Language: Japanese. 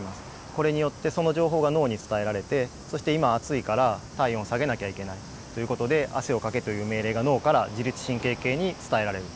これによってその情報が脳に伝えられてそして今暑いから体温を下げなきゃいけないという事で汗をかけという命令が脳から自律神経系に伝えられる。